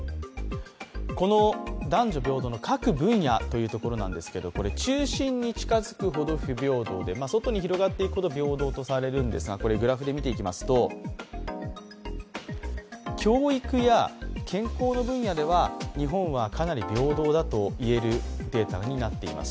この男女平等の各分野というところですが中心に近づくほど不平等で外に広がるほど平等とされていますがグラフで見ていきますと、教育や健康の分野では日本はかなり平等だといえるデータになっています。